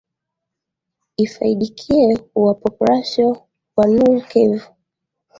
ifaidikie wa populasio wa noor kivu